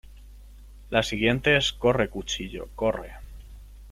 La siguiente es "Corre, Cuchillo, corre".